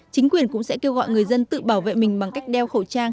chính quyền cũng sẽ kêu gọi người dân tự bảo vệ mình bằng cách đeo khẩu trang